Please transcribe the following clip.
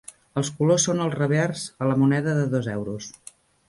Els colors són al revers a la moneda de dos euros.